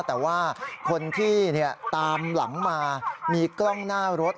แต่ว่าคนที่ตามหลังมามีกล้องหน้ารถ